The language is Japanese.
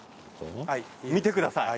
見てください。